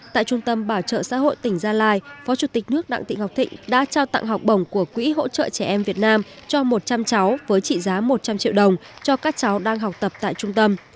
tại trung tâm bảo trợ xã hội tỉnh gia lai phó chủ tịch nước đặng thị ngọc thịnh đã trao tặng học bổng của quỹ hỗ trợ trẻ em việt nam cho một trăm linh cháu với trị giá một trăm linh triệu đồng cho các cháu đang học tập tại trung tâm